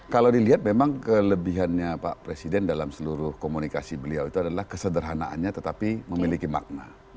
kalau dilihat memang kelebihannya pak presiden dalam seluruh komunikasi beliau itu adalah kesederhanaannya tetapi memiliki makna